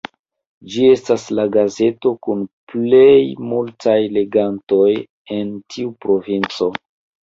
Ĝi estas la gazeto kun plej multaj legantoj en tiu provinco.